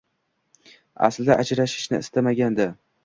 Aslida, ajrashishni istamagandi